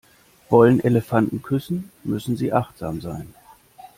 Wollen Elefanten küssen, müssen sie achtsam sein.